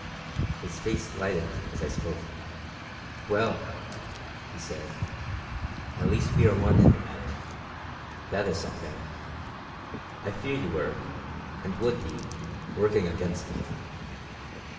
His face lightened as I spoke. "Well," he said "at least we are one in the matter; that is something. I feared you were, and would be, working against me.